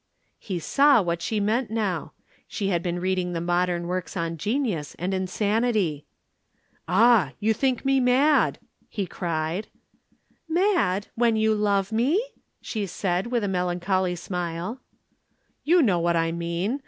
He saw what she meant now. She had been reading the modern works on genius and insanity. "Ah, you think me mad!" he cried. "Mad when you love me?" she said, with a melancholy smile. "You know what I mean.